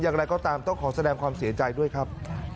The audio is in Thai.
อย่างไรก็ตามต้องขอแสดงความเสียใจด้วยครับ